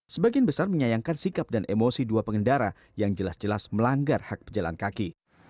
sebagian besar menyayangkan sikap dan emosi dua pengendara yang jelas jelas melanggar hak pejalan kaki